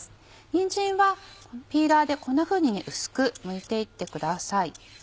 にんじんはピーラーでこんなふうに薄くむいていってください。